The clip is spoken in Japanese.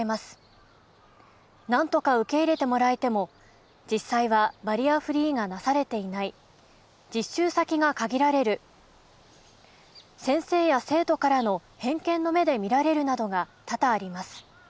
なんとか受け入れてもらえても実際はバリアフリーがなされていない実習先が限られる先生や生徒からの偏見の目で見られるなどが多々あります。